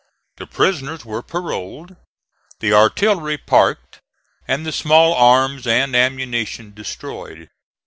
The prisoners were paroled, the artillery parked and the small arms and ammunition destroyed.